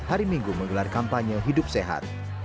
hari minggu menggelar kampanye hidup sehat